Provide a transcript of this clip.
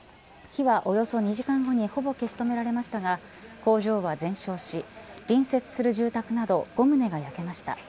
火はおよそ２時間後にほぼ消し止められましたが工場は全焼し隣接する住宅など５棟が焼けました。